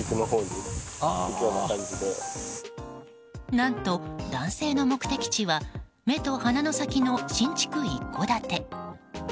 何と、男性の目的地は目と鼻の先の新築一戸建て。